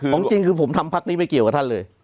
จริงคือผมทำพักนี้ไม่เกี่ยวกับท่านเลย